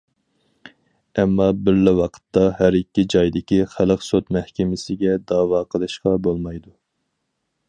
ئەمما بىرلا ۋاقىتتا ھەر ئىككى جايدىكى خەلق سوت مەھكىمىسىگە دەۋا قىلىشقا بولمايدۇ.